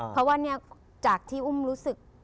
เพราะว่าเนี่ยจากที่อุ้มรู้สึก